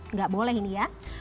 nggak boleh ini ya